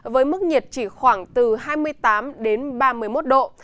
với mức nhiệt chỉ khoảng từ hai mươi tám đến ba mươi một độ